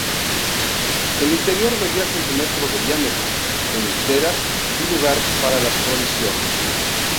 El interior medía seis metros de diámetro, con literas y lugar para las provisiones.